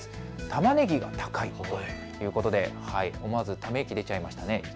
たまねぎが高いということで思わずため息が出てしまいましたね。